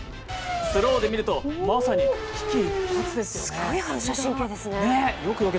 スローで見るとまさに危機一髪ですよね。